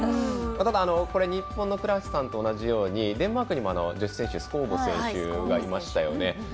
ただ、日本の倉橋さんと同じようにデンマークにも女子選手スコウボ選手がいましたよね。